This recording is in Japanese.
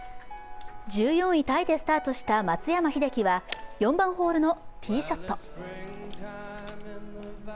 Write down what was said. １４位タイでスタートした松山英樹は、４番ホールのティーショット。